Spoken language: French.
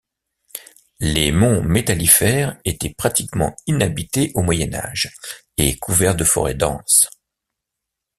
Les monts Métallifères étaient pratiquement inhabités au Moyen Âge et couverts de forêts denses.